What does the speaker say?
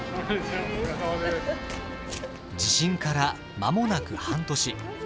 地震から間もなく半年。